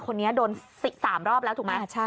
คนนี้โดน๓รอบแล้วถูกไหม